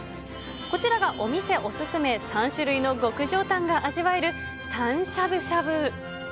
こちらがお店お勧め、３種類の極上タンが味わえるタンしゃぶしゃぶ。